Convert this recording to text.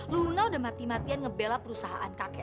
luna udah mati matian ngebela perusahaan kakek